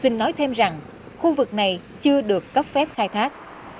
xin nói thêm rằng khu vực này chưa được cấp phép khai thác